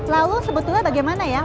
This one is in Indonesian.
lalu sebetulnya bagaimana ya